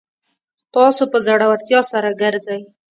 تاسو په زړورتیا سره ګرځئ